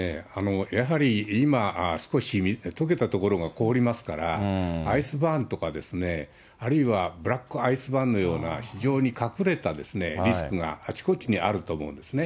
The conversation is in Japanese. やはり今、少しとけた所が凍りますから、アイスバーンとか、あるいはブラックアイスバーンのような、非常に隠れたリスクがあちこちにあると思うんですね。